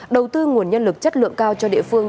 đầu tư nguồn nhân lực chất lượng cao cho địa phương